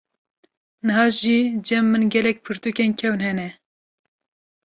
niha jî cem min gelek pirtukên kevn hene.